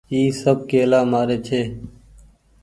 اي سب ڪيلآ مآري ڇي۔